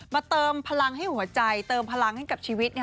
เติมพลังให้หัวใจเติมพลังให้กับชีวิต